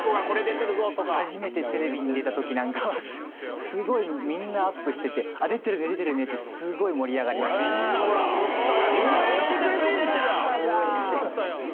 初めてテレビに出たときなんかは、すごい、みんなアップしてて、出てるね、出てるねって、すごい盛り上がりうれしい。